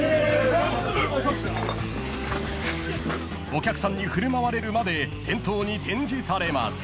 ［お客さんに振る舞われるまで店頭に展示されます］